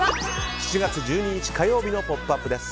７月１２日、火曜日の「ポップＵＰ！」です。